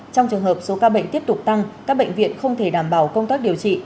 trong trường hợp số ca bệnh tiếp tục tăng các bệnh viện không thể đảm bảo công tác điều trị